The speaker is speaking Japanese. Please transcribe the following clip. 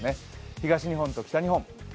東日本と北日本。